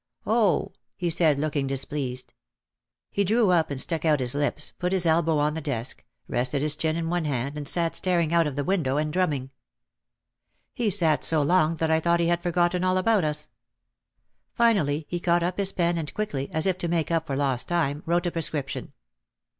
"Oh," he said, looking dis pleased. He drew up and stuck out his lips, put his elbow on the desk, rested his chin in one hand and sat staring out of the window and drumming. He sat so long that I thought he had forgotten all about us. Finally he caught up his pen and quickly, as if to make up for lost time, wrote a prescription.